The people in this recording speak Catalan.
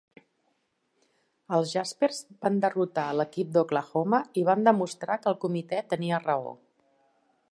Els Jaspers van derrotar a l'equip d'Oklahoma i van demostrar que el comitè tenia raó.